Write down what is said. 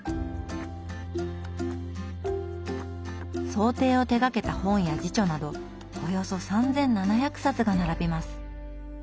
装丁を手がけた本や自著などおよそ３，７００冊が並びます。